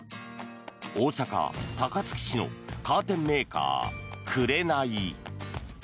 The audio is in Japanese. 大阪・高槻市のカーテンメーカーくれない。